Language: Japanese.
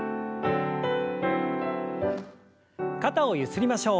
肩をゆすりましょう。